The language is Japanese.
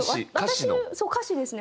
歌詞ですね。